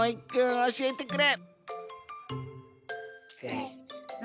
おしえてくれ。